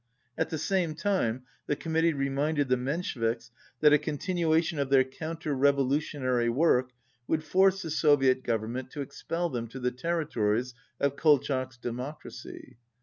At the same time, the Committee reminded the Mensheviks that a continuation of their counter revolutionary work would force the Soviet Government "to expel them to the territories of Kolchak's democracy."